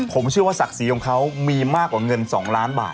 ผมเชื่อว่าศักดิ์ศรีของเขามีมากกว่าเงิน๒ล้านบาท